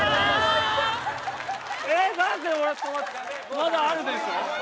まだあるでしょ？